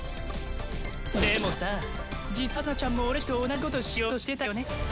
でもさ実はアサナちゃんも俺たちと同じことしようとしてたよね。